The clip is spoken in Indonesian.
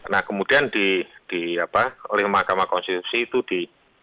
nah kemudian di di apa oleh makam konstitusi itu di